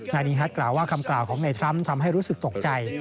นายดีฮัทกล่าวว่าคำกล่าวของนายทรัมป์ทำให้รู้สึกตกใจ